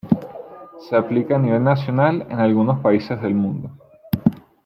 Se aplica a nivel nacional en algunos países del mundo.